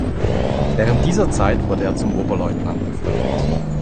Während dieser Zeit wurde er zum Oberleutnant befördert.